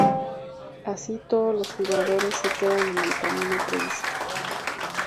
Así, todos los jugadores se quedan en el camino previsto.